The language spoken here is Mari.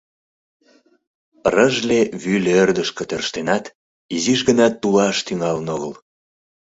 Рыжле вӱльӧ ӧрдыжкӧ тӧрштенат, изиш гына тулаш тӱҥалын огыл.